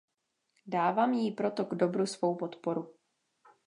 Dávám jí proto k dobru svou podporu.